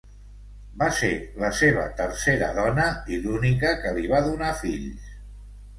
Va ser la seva tercera dona i l'única que li va donar fills.